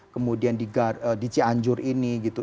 kemudian di cianjur ini gitu